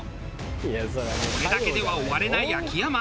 これだけでは終われない秋山。